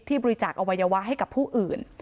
บริจาคอวัยวะให้กับผู้อื่น